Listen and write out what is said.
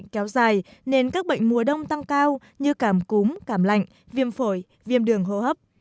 nhiệt độ lạnh kéo dài nên các bệnh mùa đông tăng cao như cảm cúm cảm lạnh viêm phổi viêm đường hô hấp